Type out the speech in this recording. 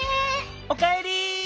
おかえり。